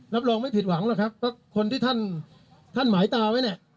รับรองไม่ผิดหวังแหละครับก็คนที่ท่านมหายตาไว้